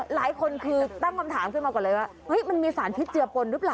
หลายคนคือตั้งคำถามขึ้นมาก่อนเลยว่ามันมีสารพิษเจือปนหรือเปล่า